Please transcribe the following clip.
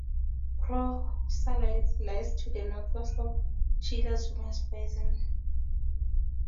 Phocylides lies to the northwest of the Schiller-Zucchius Basin.